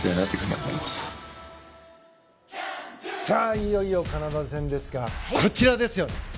いよいよカナダ戦ですがこちらですよ。